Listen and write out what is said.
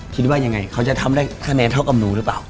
คิดว่ายังไงเขาจะทำได้คะแนนเท่ากับหนูหรือเปล่า